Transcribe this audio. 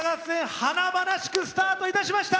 華々しくスタートいたしました！